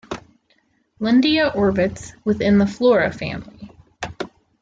Lundia orbits within the Flora family.